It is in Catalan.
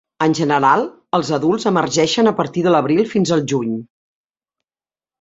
En general, els adults emergeixen a partir de l'abril fins al juny.